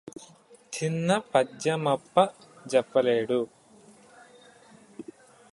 చిన్న పద్యమప్ప జెప్పలేడు